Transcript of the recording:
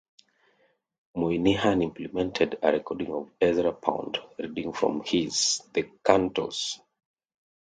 Moynihan implemented a recording of Ezra Pound reading from his "The Cantos".